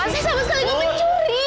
saya sama sekali gak mau curi